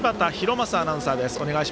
正アナウンサーです。